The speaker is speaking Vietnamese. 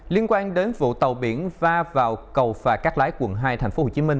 liên quan đến vụ tàu biển va vào cầu phà cắt lái quận hai tp hcm